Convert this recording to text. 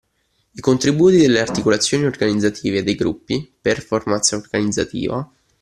I contributi delle articolazioni organizzative e dei gruppi (performance organizzativa).